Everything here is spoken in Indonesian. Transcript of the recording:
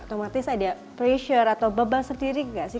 otomatis ada pressure atau beban sendiri nggak sih